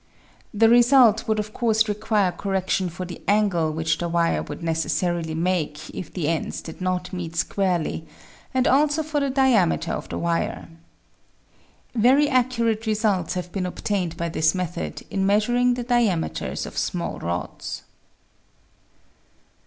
The result would of course require correction for the angle which the wire would necessarily make if the ends did not meet squarely and also for the diameter of the wire. Very accurate results have been obtained by this method in measuring the diam eters of small rods.